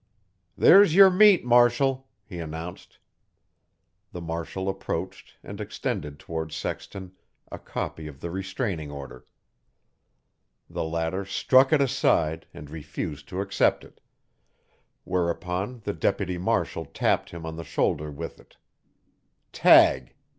"There's your meat, Marshal," he announced. The marshal approached and extended toward Sexton a copy of the restraining order. The latter struck it aside and refused to accept it whereupon the deputy marshal tapped him on the shoulder with it. "Tag!